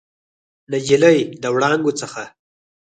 نجلۍ د وړانګو څخه